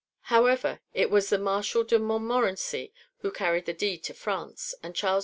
(2) However, it was the Marshal de Montmorency who carried the deed to France, and Charles V.